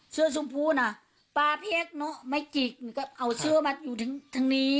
เสื้อสมภูน่ะปลาเพลกเนอะไม่กรีกนี่ก็เอาเสื้อมาอยู่ทั้งทั้งนี้